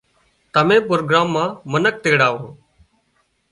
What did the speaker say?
تمين پروگرام مان منک تيڙاوو